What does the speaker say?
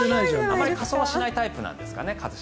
あまり仮装はしないタイプなんですかね。